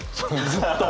ずっと。